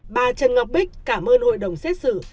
bà trần ngọc bích cảm ơn hội đồng xét xử